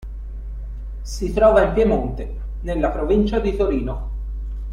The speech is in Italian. Si trova in Piemonte, nella Provincia di Torino.